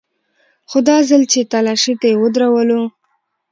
خو دا ځل چې تلاشۍ ته يې ودرولو.